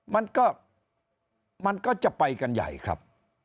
มันก็จะไปกันใหญ่ครับ